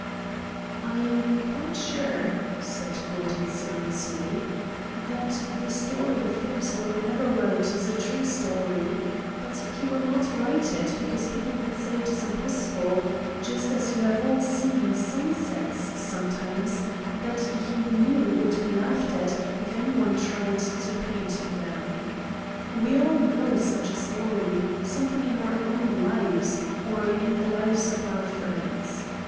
"I am quite sure," said Gordon, seriously, "that the story Phillips will never write is a true story, but he will not write it because people would say it is impossible, just as you have all seen sunsets sometimes that you knew would be laughed at if any one tried to paint them. We all know such a story, something in our own lives, or in the lives of our friends.